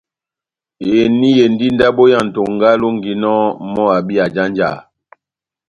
Eni endi ndabo ya Ntonga elonginɔ mɔ́ abi ajanjaha.